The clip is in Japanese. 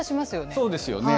そうですよね。